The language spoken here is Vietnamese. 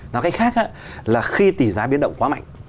nói cách khác là khi tỷ giá biến động quá mạnh